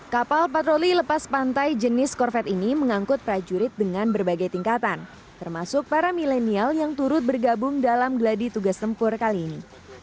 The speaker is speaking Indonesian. kapal patroli lepas pantai jenis korvet ini mengangkut prajurit dengan berbagai tingkatan termasuk para milenial yang turut bergabung dalam gladi tugas tempur kali ini